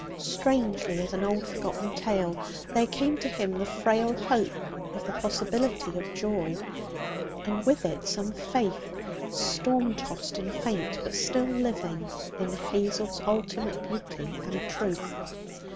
Strangely as an old forgotten tale, there came to him the frail hope of the possibility of joy. And with it some faith, storm tossed and faint, but still living, in Hazel's ultimate beauty and truth.